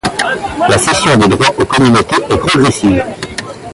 La cession des droits aux communautés est progressive.